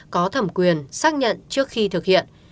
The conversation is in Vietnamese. có thẩm quyền xác nhận trước khi thực hiện